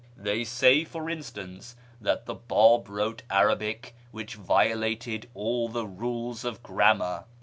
They say, for instance, that the Bab wrote Arabic which violated all the rules of grammar.